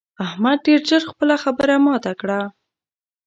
احمد ډېر ژر خپله خبره ماته کړه.